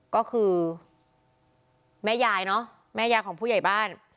ก็คือแม่ยายเนอะแม่ยายของผู้ใหญ่บ้าน